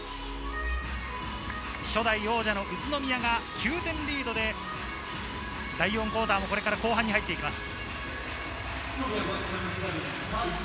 初代王者の宇都宮が９点リードで第４クオーターもこれから後半に入っていきます。